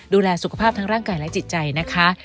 ดูแลสุขภาพทั้งร่างกายและจิตใจนะคะ